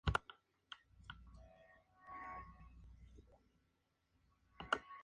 Los equipos universitarios compiten en las competiciones nacionales de varios deportes.